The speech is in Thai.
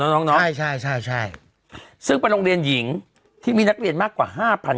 น้องใช่ใช่ซึ่งไปโรงเรียนหญิงที่มีนักเรียนมากกว่า